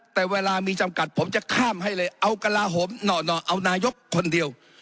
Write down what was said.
แต่เวลามีจำกัดผมจะข้ามให้เลยเอากระลาโหมหน่อเอานายกคนเดียว